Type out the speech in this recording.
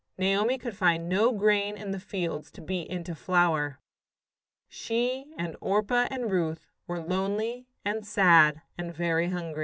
Naomi could find no grain in the fields to beat into flour. She and Orpah and Ruth were lonely and sad and very hungry.